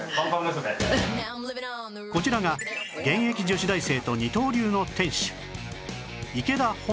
こちらが現役女子大生と二刀流の店主池田穂乃花さん